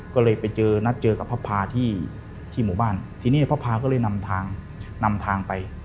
ก็เลยไปเจอนัดเจอกับพระพาที่หมู่บ้านทีนี้พระพาก็เลยนำทางนำทางไป